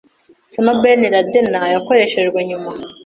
Osam Bin Laden yakoreshejwe nyuma